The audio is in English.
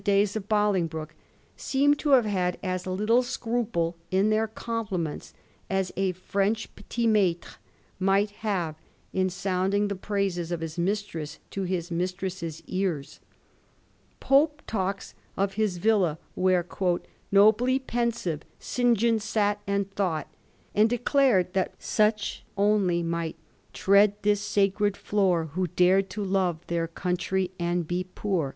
37 days of Bolingbroke, seem to have had as little scruple in their complunents as a French petit maitre might have in sounding the praises of his mistress to his mistress's ears. Pope talks of his villa where, * nobly pensive, St. John sat and thought/ and declared that such only might Tread this sacred floor, Who dare to lore their country and be poor.